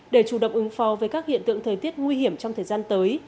để chủ động ứng phó với các hiện tượng thời tiết nguy hiểm trong thời gian tới